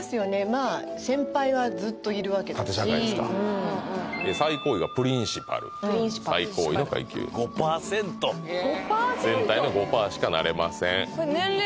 まぁ先輩はずっといるわけですし縦社会ですか最高位はプリンシパル最高位の階級５％！５％⁉全体の５パーしかなれません